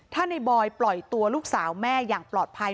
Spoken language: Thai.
ถ้าในบอยปล่อยตัวลูกสาวแม่อย่างปลอดภัย